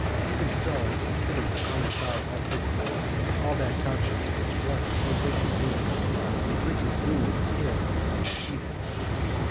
Even so has Achilles flung aside all pity, and all that conscience which at once so greatly banes yet greatly boons him that will heed it.